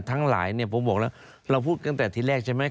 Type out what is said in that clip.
ทั้งหลายเนี่ยผมบอกแล้วเราพูดตั้งแต่ที่แรกใช่ไหม